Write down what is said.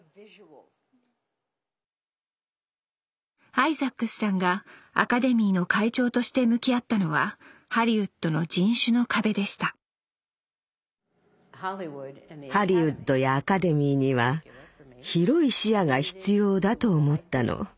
アイザックスさんがアカデミーの会長として向き合ったのはハリウッドの人種の壁でしたハリウッドやアカデミーには広い視野が必要だと思ったの。